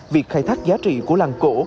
việc khai thác giá trị của làng cổ